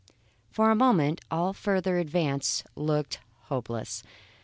For a moment all further advance looked hopeless.